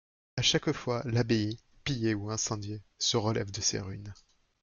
À chaque fois, l'abbaye, pillée ou incendiée, se relève de ses ruines.